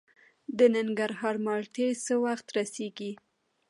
د ننګرهار مالټې څه وخت رسیږي؟